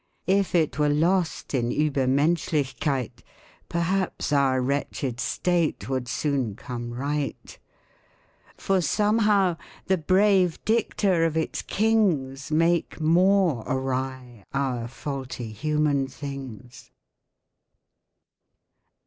If it were lost in Uebermenschlichkeit, Perhaps our wretched state would soon come right. For somehow the brave dicta of its kings Make more awry our faulty human things